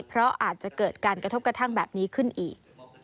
เพราะอาจจะเกิดการกระทบกระทั่งแบบนี้ขึ้นอีก